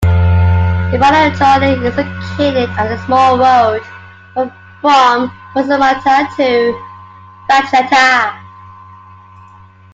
Epanochori is located on the small road from Valsamata to Vlachata.